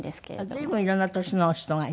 随分いろんな年の人がいるのね。